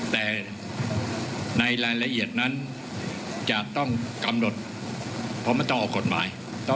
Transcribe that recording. แต่ในรายละเอียดนั้นจะต้องกำหนดเพราะไม่ต้องออกกฎหมาย